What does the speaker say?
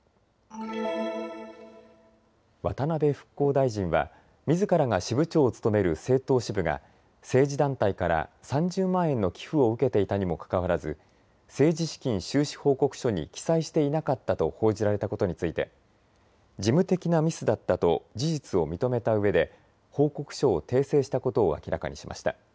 渡辺復興大臣はみずからが支部長を務める政党支部が政治団体から３０万円の寄付を受けていたにもかかわらず政治資金収支報告書に記載していなかったと報じられたことについて事務的なミスだったと事実を認めたうえで報告書を訂正したことを明らかにしました。